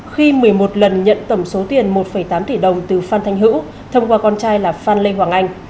khi một mươi một lần nhận tổng số tiền một tám tỷ đồng từ phan thanh hữu thông qua con trai là phan lê hoàng anh